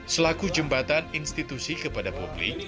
selaku jembatan institusi kepada publik